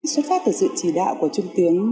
xuất phát từ sự chỉ đạo của trung tiếng